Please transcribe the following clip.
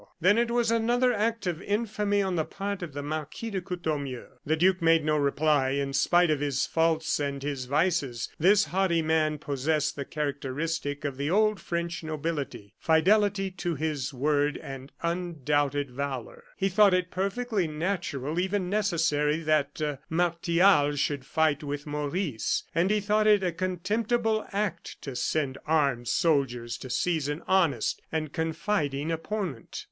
Then it was another act of infamy on the part of the Marquis de Courtornieu." The duke made no reply. In spite of his faults and his vices, this haughty man possessed the characteristic of the old French nobility fidelity to his word and undoubted valor. He thought it perfectly natural, even necessary, that Martial should fight with Maurice; and he thought it a contemptible act to send armed soldiers to seize an honest and confiding opponent.